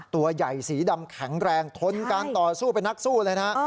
ตัวใหญ่สีดำแข็งแรงทนการต่อสู้เป็นนักสู้เลยนะ